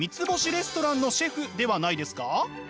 レストランのシェフではないですか？